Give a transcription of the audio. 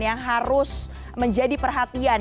yang harus menjadi perhatian